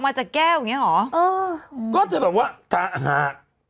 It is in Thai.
ออกมาจากแก้วอันนี้หรอก็จะแบบว่า